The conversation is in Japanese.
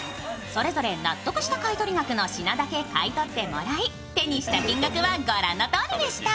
それぞれに納得した買取額の品だけ買い取ってもらい手にした金額は御覧のとおりでした。